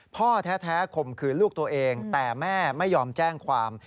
พ่อแท้ข่มขืนลูกตัวเองแต่แม่ไม่ยอมแจ้งความ